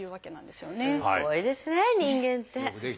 すごいですね人間って。